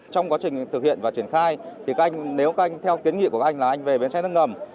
trong quá trình thực hiện và triển khai nếu theo kiến nghị của các anh là anh về bến xe nước ngầm